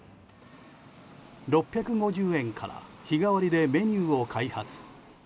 ６５０円から日替わりでメニューを開発。